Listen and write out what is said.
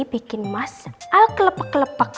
bikin mas al kelepak kelepak